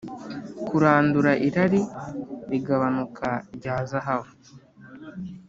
kurandura irari rigabanuka rya zahabu;